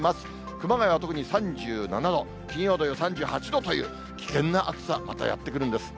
熊谷は特に３７度、金曜、土曜、３８度という危険な暑さ、またやって来るんです。